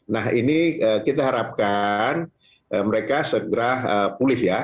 nah ini kita harapkan mereka segera pulih ya